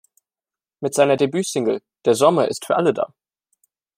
Mit seiner Debüt-Single "Der Sommer ist für alle da!